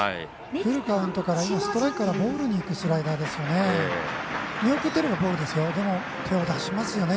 フルカウントからストライクからボールにいくスライダーですよね。